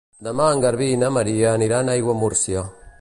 Demà en Garbí i na Maria aniran a Aiguamúrcia.